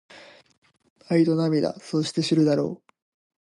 愛と涙そして知るだろう